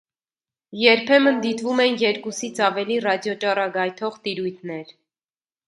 Երբեմն դիտվում են երկուսից ավելի ռադիոճառագայթող տիրույթներ։